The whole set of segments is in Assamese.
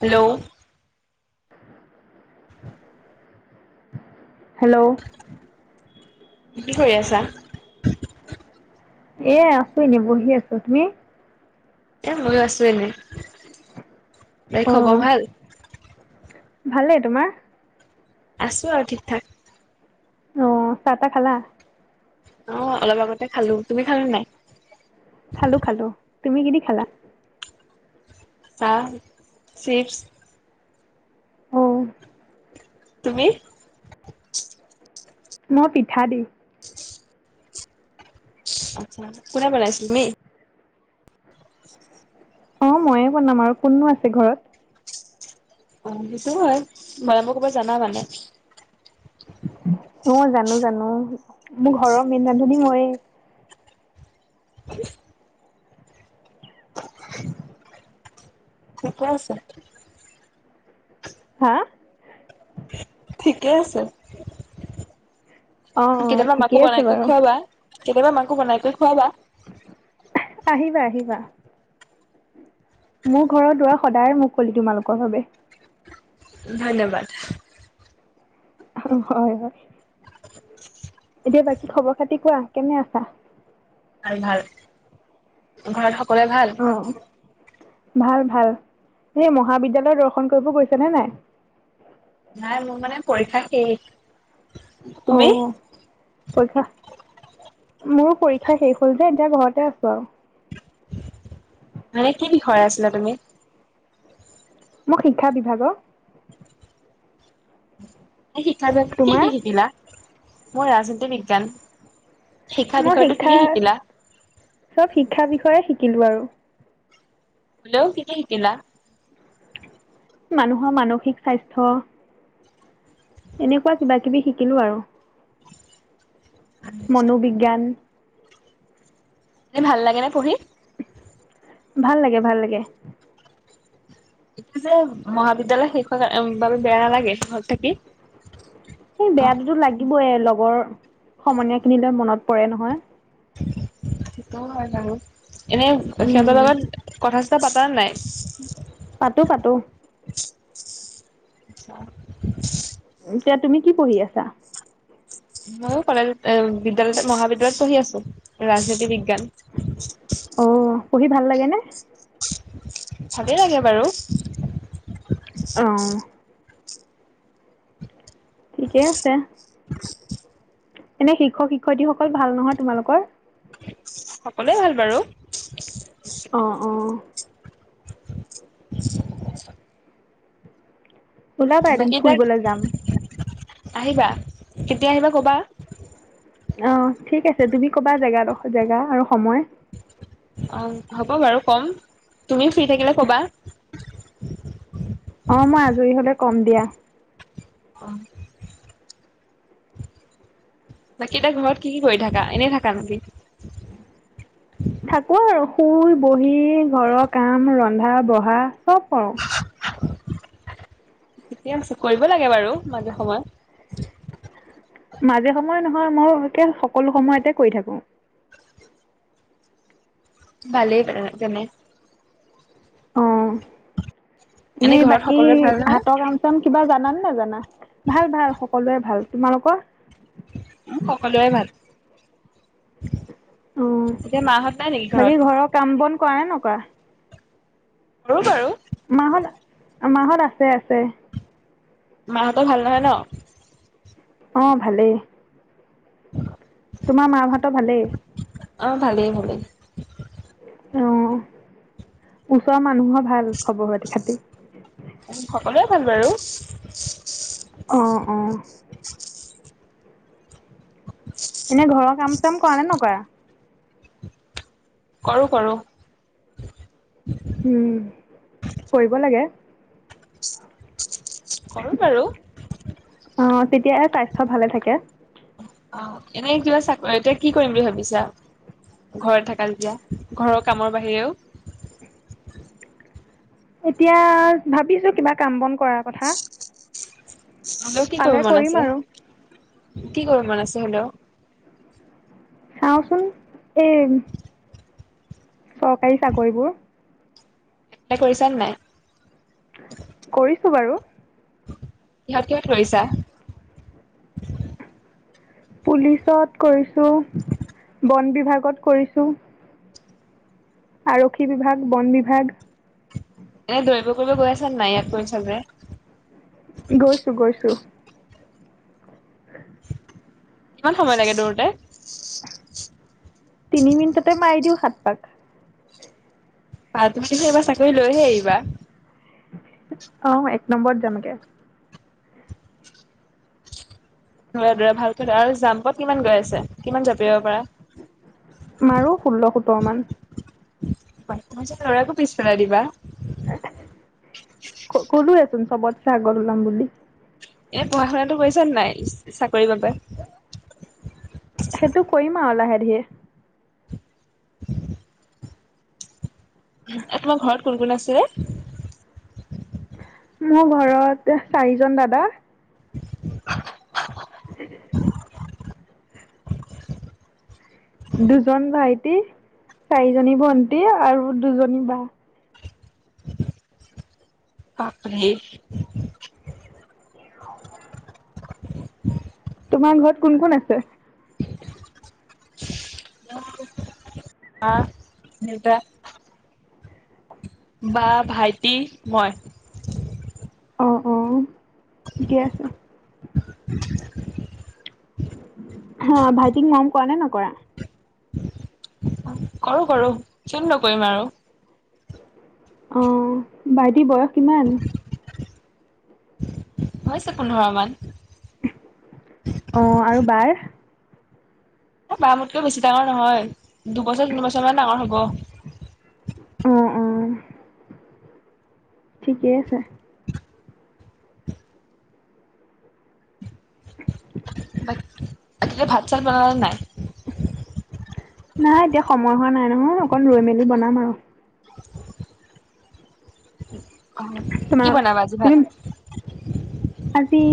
হেল্ল' হেল্ল' কি কৰি আছা এ আছো এনেই বহি আছো তুমি এ ময়ো আছো এনে বাকি অ খবৰ ভাল। ভালেই তোমাৰ আছো আৰু ঠিক ঠাক আহ চাহ তাহ খালা অ অলপ আগতে খালো তুমি খালা নাই। খালো খালো তুমি কি দি খালা। চাহ চিপছ। অ তুমি? [inaudible] মই পিঠা দি আচ্ছা কোনে বনাইছিল তুমি [inaudible] অ ময়ে বনাম আৰু কোননো আছে ঘৰত অ বছো হয় ম ম ক'ৰবাত জানা মানে [unintelligible] অ জানো জানো মোৰ ঘৰৰ মেইন ৰান্ধনী মই থিকে আছে হা ঠিকে আছে অ অ কেতিয়াবা আমাকো ঠিকেই আছে বনাইক বাৰু খোৱাবা [unintelligible] কেতিয়াবা মাংস বনাই কৰি খুৱা বা [unintelligible] আহিবা আহিবা মোৰ ঘৰৰ দোৱাৰ সদায় মুকলি তোমালোকৰ বাবে [unintelligible] ধন্যবাদ হয় হয় এতিয়া বাকী খবৰ খাতি কোৱা কেনে আছা ভাল ভাল ঘৰত সকলোৱে ভাল অ ভাল ভাল এই মহাবিদ্যালয়ৰ দৰ্শন কৰিব গৈছে নে নাই নাই মোৰ মানে পৰীক্ষা শেষ অ তুমি? পৰীক্ষা মোৰো পৰীক্ষা শেষ হ'ল যে এতিয়া ঘৰতে আছো আৰু মানে কি বিষয় আছিলা তুমি মই শিক্ষা বিভাগৰ শিক্ষা কি কি তোমাৰ শিকিলা মই ৰাজনীতি বিজ্ঞান শিক্ষা মই বিষয়টো কি কি শিক্ষা শিকিলা? চব শিক্ষা বিষয়ে শিকিলো আৰু হলো কি কি শিকিলা মানুহৰ মানসিক স্বাস্থ্য এনেকুৱা কিবা কিবি শিকিলো আৰু মনোবিজ্ঞান এনেই ভাল লাগে নে পঢ়ি ভাল লাগে ভাল লাগে এতিয়া যে মহাবিদ্যালয় শেষ হোৱাৰ কাৰ বাবে বেয়া নালাগে ঘৰত থাকি এই অ' বেয়াটোৰ লাগিবই লগৰ সমনীয়া খিনিলৈ মনত পৰে নহয় সেইটো হয় বাৰু এনে সিহঁতৰ উম লগত কথা পাতা নাই পাতো পাতো [inaudible] [inaudible] এতিয়া তুমি কি পঢ়ি আছা মোৰ কলেজ বিদ্যালয় মহাবিদ্যালয়ত পঢ়ি আছো ৰাজনীতি বি অ [unintelligible] [inaudible] পঢ়ি ভাল লাগে নে ভালে লাগে বাৰু অ ঠিকেই আছে [inaudible] এনে শিক্ষক শিক্ষয়িত্ৰীসকল ভাল নহয় তোমালোকৰ সকলোৱে ভাল বাৰু অ অ [inaudible] ওলাবা এদিন বাকী তাত ফুৰিবলৈ যাম আহিবা কেতিয়া আহিবা ক'বা অ ঠিক আছে তুমি কবা জেগাডখ জেগা আৰু সময়। অ হ'ব বাৰু কম তুমি ফ্ৰী থাকিলে ক'বা। অ মই আজৰি হলে কম দিয়া। [inaudible] বাকী এ তাই ঘৰত কি কি কৰি থাকা এনেই থাকা নেকি। [unintelligible] থাকো আৰু শুই বহি ঘৰৰ কাম ৰন্ধা বঢ়া চব কৰো। ঠিকে আছে কৰিব লাগে বাৰু মাজে সময়। [unintelligible] মাজে সময়ে নহয় মইকে সকলো সময়তে কৰি থাকো। [unintelligible] ভালেই প তেনে। [unintelligible] অ এনে এনেই ঘৰত বাকী সকলোৰে ভাল নহয় হাতৰ কাম চাম। কিবা জানানে নেজানা ভাল ভাল সকলো ভাল তোমালোকৰ। মোক সকলোৱে ভাল। অ এতিয়া মাহঁত নাই নেকি ঘৰত বাকী ঘৰৰ কাম বন কৰা নে ন কৰা। কৰো বাৰু মা হত মা হত আছে আছে। মাহঁতৰ ভাল নহয় ন। অ ভালেই। অ। ত ভালেই। অঁ ভালেই ভালেই। [unintelligible] অ ওচৰৰ মানুহৰ ভাল খবৰ খৱৰ খাতি। [unintelligible] সকলোৱে ভাল বাৰু। অ অ। এনে ঘৰৰ কাম চাম কৰা নে নকৰা। কৰো কৰো। উম, কৰিব লাগে। কৰো বাৰু। অঁ তেতিয়াহে স্বাস্থ্য ভালে থাকে। অ এনেই কিবা চাকৰি এয়া কি কৰিম বুলি ভাবিছা। ঘৰত থকা যেতিয়া ঘৰৰ কামৰ বাহিৰেও। এতিয়া ভাবিছো কিবা কাম বন কৰাৰ কথা। হেল্ল' কি পালে কৰো মন কৰিম আছে আৰু কি কৰিবো মন আছে হেল্ল' [unintelligible] আহাওচোন এই [unintelligible] চৰকাৰী চাকৰিবোৰ। এপ্লাই কৰিছানে নাই। কৰিছো বাৰু। কিহত কিহত কৰিছা। পুলিচত কৰিছো বন বিভাগত কৰিছো। আৰক্ষী বিভাগ বন বিভাগ। এনে দৰিব কৰিব গৈ আছ নাই ইয়াক কৰিছ যে। [unintelligible] গৈছো গৈছো। কিমান সময় লাগে দৌৰোতে। তিনি মিনিটতে মাৰি দিওঁ সাত পাক। প তুমিহ এইবাৰ চাকৰি লৈহে আহিবা। অ এক নম্বৰত যামগে। দোৰা দোৰা ভালকৈ আৰু জাম্পত কিমান গৈ আছে। কিমান জপিয়াব পাৰা। প্ৰমান। লৰাকো পিছ পেলাই দিবা। ক'লোৱে চোন চবত চাই আগত ওলাম বুলি। এনে পঢ়া শুনাটো কৰিছ নাই চাকৰি বাকৰি। সেইটো কৰিম আৰু লাহে ধিৰে এ তোমাৰ ঘৰত কোন কোন আছে? মোৰ ঘৰত চাৰিজন দাদা, [unintelligible] দুজন ভাইটি, চাৰিজনী ভন্টি আৰু দুজনী বা। বাপৰে। তোমাৰ ঘৰত কোন কোন আছে? মা, দেউতা বা ভাইটি মই। অঁ অঁ ঠিকে আছে। [unintelligible] হা ভাইটিক মৰম কৰা নে নকৰা কৰো কৰো কিয়নো নকৰিম আৰু অ ভাইটি বয়স কিমান? হৈছে পোন্ধৰ মান। অ আৰু বাৰ? বা মোতকৈ বেছি ডাঙৰ নহয় দুবছৰ তিনিবছৰ মান ডাঙৰ হব। অ অ ঠিকেই আছে। ততে ভাত চাত বনালে নাই। নাই এতিয়া সময় হোৱা নাই নহয় অকন ৰৈ মেলি বনাম আৰু। [unintelligible] অ কি তোমাৰ বনাবা আজি ভাত তুমি আজি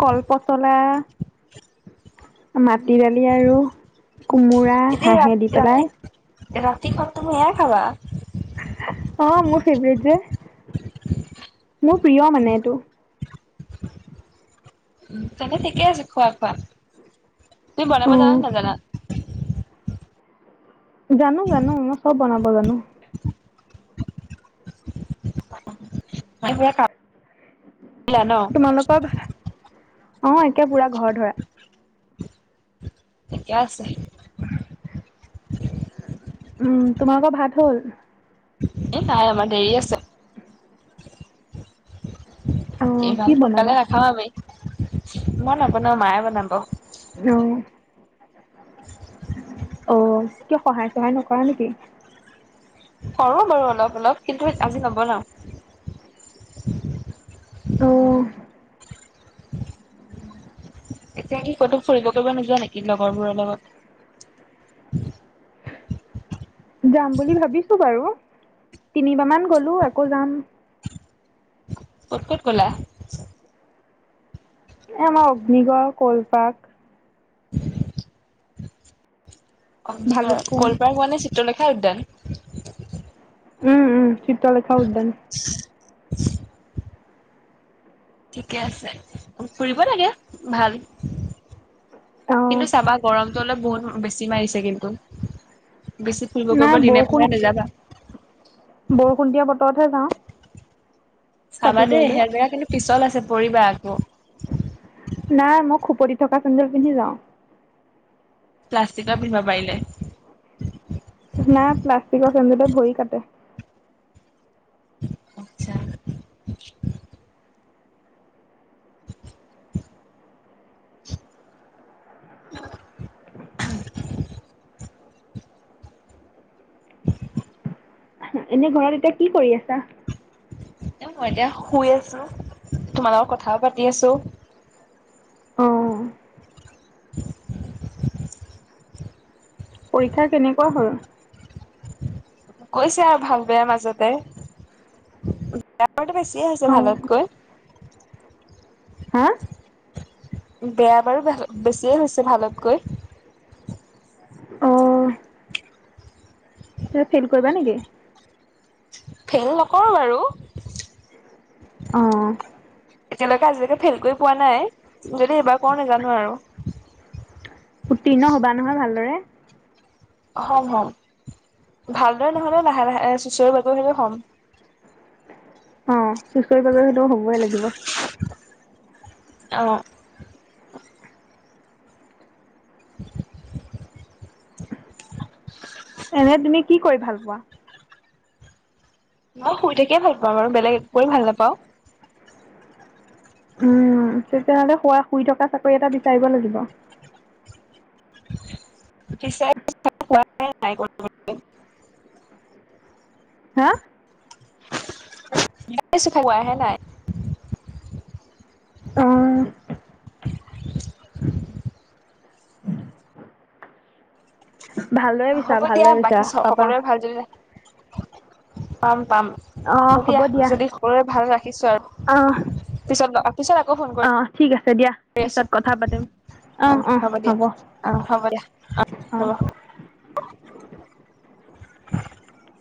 কল পচলা মাটি দালি আৰু কোমোৰা এতিয়া হাঁহে দি ৰাত পেলাই ৰাতি ৰাতিখন তুমি এয়াই খাবা অ মোৰ ফেভৰেট যে মোৰ প্ৰিয় মানে এইটো উ তেন্তে ঠিকে আছে খোৱা খোৱা তুমি অ বনাব জানা নাজানা জানো জানো মই চব বনাব জানো [unintelligible] কাপ তোমালোকৰ অ একে পুৰা ঘৰ ধৰা ঠিকে আছে। উম তোমালোকৰ ভাত হ'ল এ নাই আমাৰ দেৰি আছে। অ কি ইমান বনাবা সোনকালে নাখাও আমি মই নবনাও মায়ে বনাব। অ। অ কিয় সহায় চহায় নকৰা নেকি কৰো বাৰু অলপ অলপ কিন্তু আজি নবনাও। অ এতিয়া কি ক'তো ফুৰিব কৰিব নোযোৱা নেকি লগৰবোৰৰ লগত? যাম বুলি ভাবিছো বাৰু তিনিবা মান গলো আকৌ যাম। ক'ত ক'ত ক'লা। আমাৰ অগ্নিগড় কলপাক অ ভালুকপুং কলপাৰ হোৱা নে চিত্ৰলেখা উদ্যান। উম উম চিত্ৰলেখা উদ্যান। ঠিকে আছে ফুৰিব লাগে ভাল। অ কিন্তু চাবা গৰমটো হলে বহুত বেছি মাৰিছে কিন্তু্ বেছি ফুৰিব গৈ নাই প দিনে বৰষুণ পোহৰে নেযাবা। বৰষুণ দিয়া বতৰতহে যাওঁ। চাবা ছাতি লৈ দেই লৈ হেদেৰা কিন্তু পিছল আছে পৰিবা আকৌ। নাই মই খুপতি থকা চেন্দল পিন্ধি যাওঁ। প্লাষ্টিকৰ পিন্ধিবা পাৰিলে। না প্লাষ্টিকৰ চেন্দেলে ভৰি কাটে। আচ্ছা। [unintelligible] [unintelligible] এনেই ঘৰত এতিয়া কি কৰি আছা। মই এতিয়া শুই আছো তোমাৰ লগত কথাও পাতি আছো। অঁ [unintelligible] পৰীক্ষা কেনেকুৱা হ'ল। গৈছে আৰু ভাল বেয়াৰ মাজতে। বেয়াৰটো বেছিয়ে হৈছে ভালতকৈ। হা। বেয়া বাৰু বেছিয়ে হৈছে ভালতকৈ। ত ফেল কৰিবা নেকি। ফেইল নকৰোঁ বাৰু। অ এতিয়ালৈকে আজিলৈকে ফেইল কৰি পোৱা নাই যদি এইবাৰ কৰো নেজানো আৰু। উত্তীৰ্ণ হবা নহয় ভালদৰে। হম হম ভালদৰে নহলে লাহে লাহে চুচৰি বাগৰি হলেও হম। অ চুচৰি বাগৰি সলেও হব লাগিব। অঁ। [unintelligible] এনে তুমি কি কৰি ভাল পোৱা। ম শুই থাকিয়ে ভাল পাওঁ বাৰু বেলেগ একোৱেই কৰি ভাল নাপাওঁ। উম তেতিয়নেহ'লে শোৱা শুই থকা চাকৰি এটা বিচাৰিব লাগিব। [unintelligible] হা। [unintelligible] ছো খাৱা হে নাই। অ' ভালদৰে বিচাৰা হ'ব দিয়া ভালদৰে বাকী বিচাৰা পাবা সকলোৰে ভাল যদিদে। পাম পাম অ হ'ব হবা দিয়া যদি সৰুৰে ভাল ৰাখিছো আৰু অ' পিছত। পিছত আকৌ ফোন কৰিম। অ' ঠিক আছে দিয়া পিছত কথা পাতিম। অ হ'ব দিয়া অ হ'ব দিয়া অ হ'ব। [unintelligible]